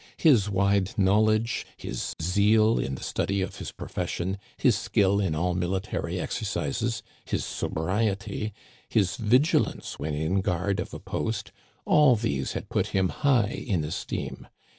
His wide knowledge, his zeal in the study of his profession, his skill in all military exercises, his sobri ety, his vigilance when in guard of a post, all t'lese had put him high in esteem.